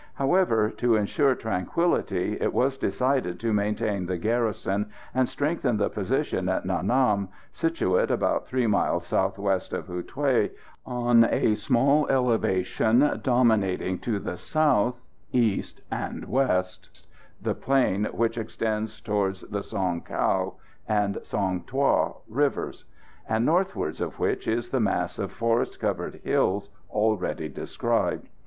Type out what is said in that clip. ] However, to ensure tranquillity, it was decided to maintain the garrison, and strengthen the position at Nha Nam, situate about 3 miles south west of Hou Thué, on a small elevation dominating to the south, east, and west the plain which extends towards the Song Cau and Song Thuong rivers, and northwards of which is the mass of forest covered hills already described.